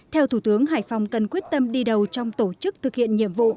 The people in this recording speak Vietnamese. theo thủ tướng hải phòng cần quyết tâm đi đầu trong tổ chức thực hiện nhiệm vụ